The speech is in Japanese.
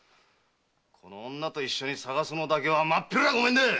この女と一緒に捜すのだけは真っ平御免だ！